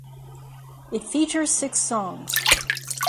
It features six songs.